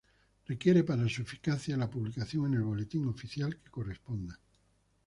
Requiere para su eficacia la publicación en el Boletín Oficial que corresponda.